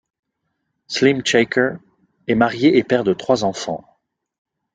Slim Chaker est marié et père de trois enfants.